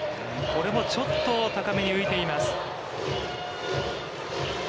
これもちょっと高めに浮いています。